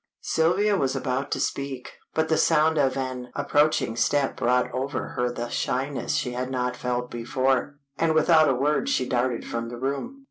Sylvia was about to speak, but the sound of an approaching step brought over her the shyness she had not felt before, and without a word she darted from the room.